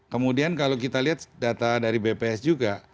kemudian kalau kita lihat data dari bps juga